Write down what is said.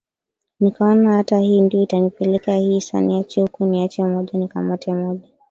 nikaona hata Hii ndio itanipeleka hii sa niache huku Niache moja nikamate moja